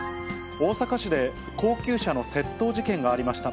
大阪市で高級車の窃盗事件がありました。